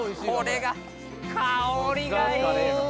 これが香りがいい！